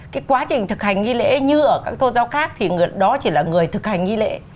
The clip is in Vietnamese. cái quá trình thực hành nghi lễ như ở các thôn giao khác thì đó chỉ là người thực hành nghi lễ